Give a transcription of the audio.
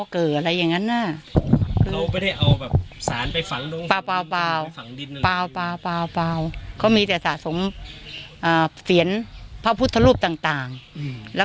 เกิดอะไรอย่างนั้นนะข้อมีแต่สะสมเสียญพระพุทธรูปต่างแล้ว